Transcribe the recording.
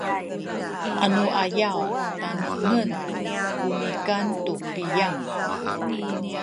anuayaw tanengen ku nikan tu piyang